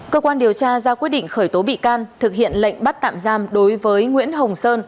cơ quan điều tra ra quyết định khởi tố bị can thực hiện lệnh bắt tạm giam đối với nguyễn hồng sơn